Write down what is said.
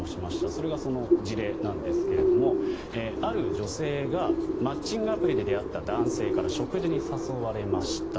これがその事例なんですがある女性がマッチングアプリで出会った男性から食事に誘われました。